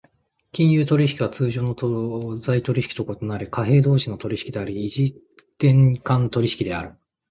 金融取引は通常の財取引と異なり、貨幣同士の取引であり、異時点間取引である。